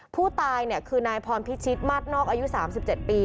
ผู้ตายเนี่ยคือนายพรพิชิตมาดนอกอายุสามสิบเจ็ดปี